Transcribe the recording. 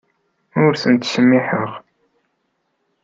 Ur ten-ttsemmiḥeɣ.